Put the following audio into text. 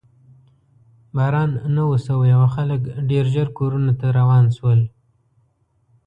باران نه و شوی او خلک ډېر ژر کورونو ته روان شول.